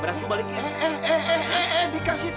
sayang aja lu bapaknya ayah komplain